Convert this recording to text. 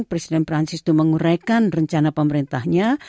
presiden perancis itu menguraikan rencana pemerintahnya